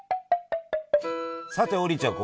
さて王林ちゃん